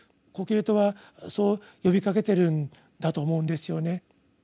コヘレトはそう呼びかけてるんだと思うんですよね。